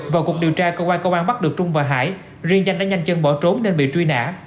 vào cuộc điều tra cơ quan công an bắt được trung và hải riêng danh đã nhanh chân bỏ trốn nên bị truy nã